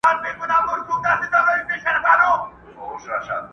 سلا کار به د پاچا او د امیر یې!.